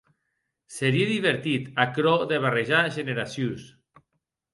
Serie divertit, aquerò de barrejar generacions.